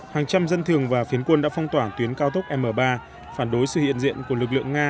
hàng trăm dân thường và phiến quân đã phong tỏa tuyến cao tốc m ba phản đối sự hiện diện của lực lượng nga